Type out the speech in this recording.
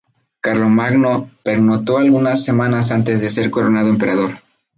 Carlomagno pernoctó unas semanas antes de ser coronado emperador.